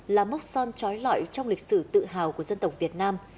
là móc son trói lõi trong lịch sử tự hào của dân tộc việt nam